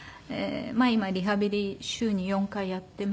まあ今リハビリ週に４回やっています。